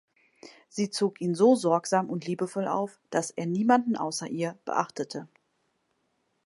Sie zog ihn so sorgsam und liebevoll auf, dass er niemanden außer ihr beachtete.